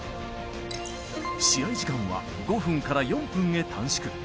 試合時間は５分から４分へ短縮。